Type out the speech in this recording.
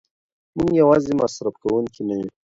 موږ یوازې مصرف کوونکي نه یو.